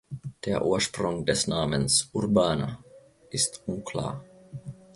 Der Ursprung des Namens "Urbana" ist unklar.